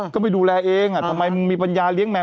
ก็ไม่ดูแลเองทำไมมึงมีปัญญาเลี้ยแมว